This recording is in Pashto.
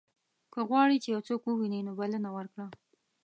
که غواړې یو څوک ووینې نو بلنه ورکړه.